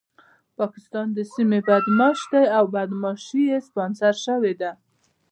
پاکستان د سيمې بدمعاش دی او بدمعاشي يې سپانسر شوې ده.